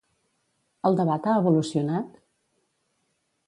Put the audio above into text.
El debat ha evolucionat?